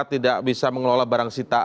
tidak bisa mengelola barang sitaan